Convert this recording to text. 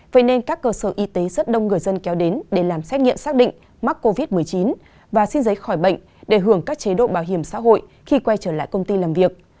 vậy nên các cơ sở y tế rất đông người dân kéo đến để làm xét nghiệm xác định mắc covid một mươi chín và xin giấy khỏi bệnh để hưởng các chế độ bảo hiểm xã hội khi quay trở lại công ty làm việc